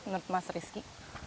menurut mas rizky